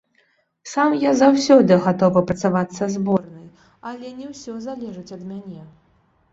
Сам я заўсёды гатовы працаваць са зборнай, але не ўсё залежыць ад мяне.